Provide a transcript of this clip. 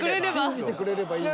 信じてくれればいいのに。